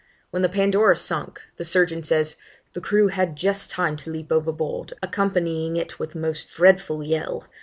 When the Pandora sunk, the surgeon says, 'the crew had just time to leap overboard, accompanying it with a most dreadful yell.